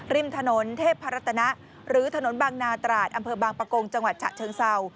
ริมถนนเทพรัตนะหรือถนนบางนาตราดอำเภอบางปะโกงจังหวัดฉะเชิงเศร้า